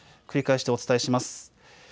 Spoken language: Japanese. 繰り返しお伝えします。